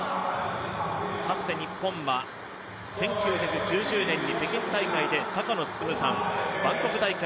かつて日本は、１９９０年に北京大会で高野進さん、バンコク大会